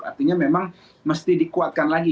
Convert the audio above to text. artinya memang mesti dikuatkan lagi